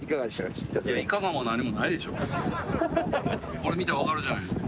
これ見たら分かるじゃないですか。